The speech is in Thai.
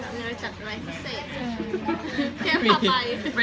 แค่ทำอะไรพาไป